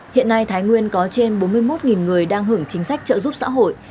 hiện nay thái nguyên có trên bốn mươi một người đang hưởng chính sách trợ giúp xã hội